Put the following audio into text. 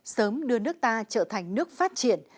sớm đưa nước ta trở thành nước phát triển